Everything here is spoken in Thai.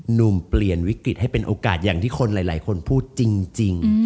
หนุ่มเปลี่ยนวิกฤตให้เป็นโอกาสอย่างที่คนหลายคนพูดจริง